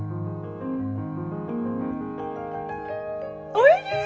おいしい！